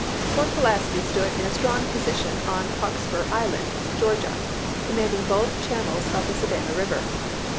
Fort Pulaski stood in a strong position on Cockspur Island, Georgia, com manding both channels of the Savannah River.